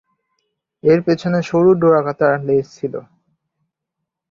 এর পেছনে সরু ডোরাকাটা লেজ ছিল।